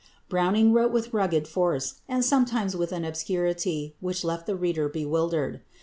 Browning wrote with rugged force, and sometimes with an obscurity which left the reader bewildered.